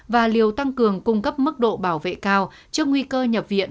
và liều tăng cường cung cấp mức độ bảo vệ cao trước nguy cơ nhập viện